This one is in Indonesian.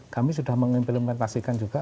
kami sudah mengimplementasikan juga